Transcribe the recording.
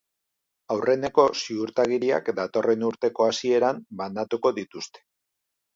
Aurreneko ziurtagiriak datorren urteko hasieran banatuko dituzte.